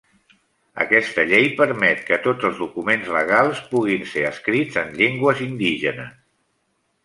Aquesta llei permet que tots els documents legals puguin ser escrits en llengües indígenes.